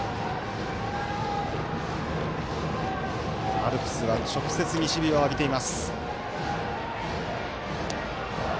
アルプスは直接西日を浴びています。